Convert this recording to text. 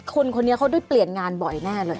คนนี้เขาได้เปลี่ยนงานบ่อยแน่เลย